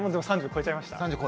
３０超えちゃいました。